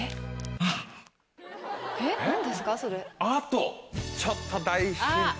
あっとちょっと大ヒン。